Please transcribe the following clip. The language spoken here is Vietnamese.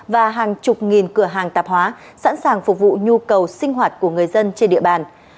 và hàng chục nghìn cửa hàng tạp hóa sẵn sàng phục vụ nhu cầu sinh hoạt của người dân trên địa bàn